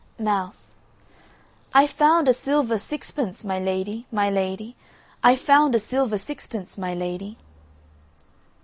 MOUSE. I found a silver sixpence, my lady, my lady, I found a silver sixpence, my lady.